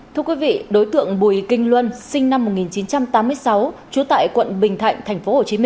thưa quý vị đối tượng bùi kinh luân sinh năm một nghìn chín trăm tám mươi sáu trú tại quận bình thạnh tp hcm